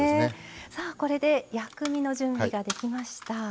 さあこれで薬味の準備ができました。